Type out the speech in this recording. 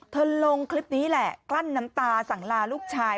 ลงคลิปนี้แหละกลั้นน้ำตาสั่งลาลูกชาย